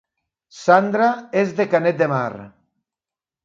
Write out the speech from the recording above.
Sandra és de Canet de Mar